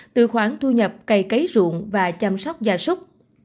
tư khoản thu nhập cày cấy ruộng và chăm sóc gia súc